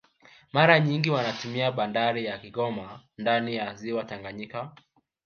Mara nyingi wanatumia bandari ya Kigoma ndani ya ziwa Tanganyika